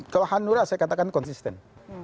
kalau hanura saya katakan konsisten